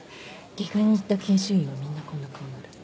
外科に行った研修医はみんなこんな顔になる。